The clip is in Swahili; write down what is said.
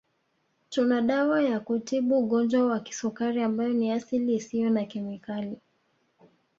Tuna dawa ya kutibu Ugonjwa wa Kisukari ambayo ni ya asili isiyo na kemikali